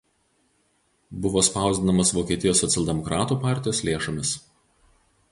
Buvo spausdinamas Vokietijos socialdemokratų partijos lėšomis.